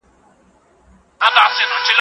زه له سهاره سیر کوم.